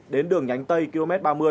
đến đường nhánh tây km ba mươi